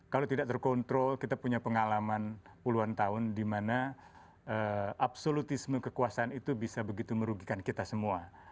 kalau tidak terkontrol kita punya pengalaman puluhan tahun di mana absolutisme kekuasaan itu bisa begitu merugikan kita semua